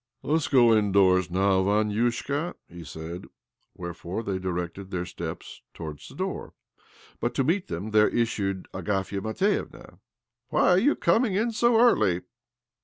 «■" Let us go indoors now, Vaniushka," he *; said ; wherefore they directed their steps to i wards the door. But to meet them,' there Ц issued Agafia Matvievna. :," Why are you coming in so early?